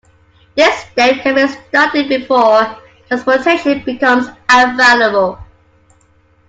This step can be started before transportation becomes available.